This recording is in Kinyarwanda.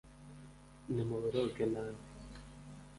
nimuboroge nabi.